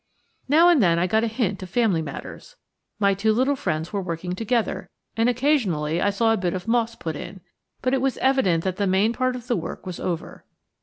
Now and then I got a hint of family matters. My two little friends were working together, and occasionally I saw a bit of moss put in; but it was evident that the main part of the work was over.